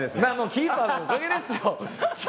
キーパーのおかげですよ。